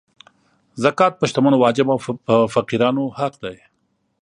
زکات په شتمنو واجب او په فقیرانو حق دی.